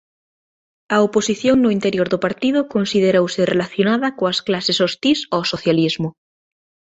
A oposición no interior do Partido considerouse relacionada coas clases hostís ó socialismo.